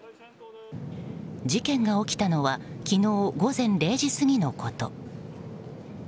事件が起きたのは昨日午前０時過ぎのこと。